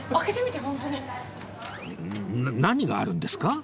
何があるんですか？